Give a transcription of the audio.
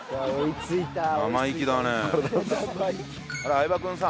相葉君３？